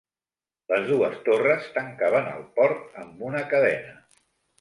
Les dues torres tancaven el port amb una cadena.